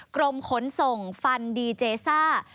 กรมขนส่งฟันดีเจซ่า